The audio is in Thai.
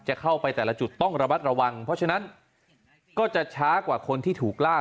จะเข้าไปแต่ละจุดต้องระมัดระวังเพราะฉะนั้นก็จะช้ากว่าคนที่ถูกล่า